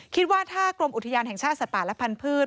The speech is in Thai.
คิดว่าถ้ากรมอุทยานแห่งชาติป่านและพันธุ์พืช